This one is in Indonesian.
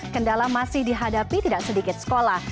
kendala masih dihadapi tidak sedikit sekolah